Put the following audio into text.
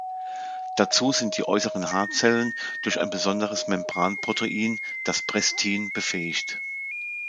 Dazu sind die äußeren Haarzellen durch ein besonderes Membranprotein, das Prestin, befähigt.